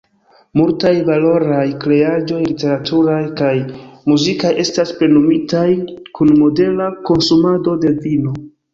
Multaj valoraj kreaĵoj literaturaj kaj muzikaj estas plenumitaj kun modera konsumado de vino.